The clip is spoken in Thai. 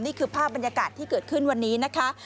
นี่คือภาพบรรยากาศที่เกิดขึ้นวันนี้นะคะ